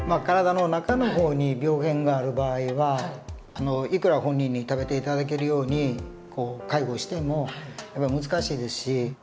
体の中の方に病原がある場合はいくら本人に食べて頂けるように介護してもやっぱり難しいですし。